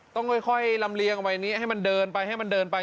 ต้องค่อยลำเลียงเอาไว้นี้ให้มันเดินไปให้มันเดินไป